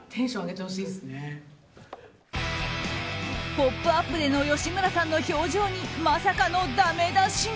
「ポップＵＰ！」での吉村さんの表情にまさかのだめ出しが。